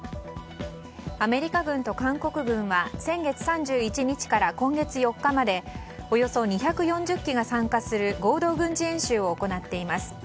アメリカ軍と韓国軍は先月３１日から今月４日までおよそ２４０機が参加する合同軍事演習を行っています。